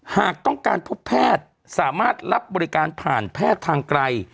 หากต้องการพบแพทย์สามารถรับบริการผ่านแพทย์ทางไกล